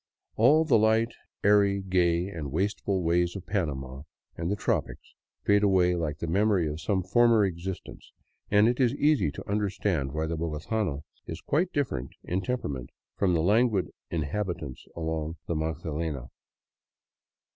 All the light, airy, gay and wasteful ways of Panama and the tropics fade away like the memory of some former existence, and it is easy to understand why the bogotano is quite different in temperament from the languid inhabitants along the Magdalena.